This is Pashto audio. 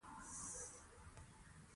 هغه ګاونډي هیواد ته لاړ